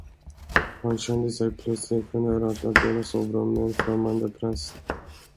Hon kände sig plötsligt generad att dela sovrum med en främmande präst.